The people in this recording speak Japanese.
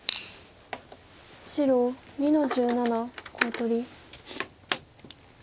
白２の十七コウ取り。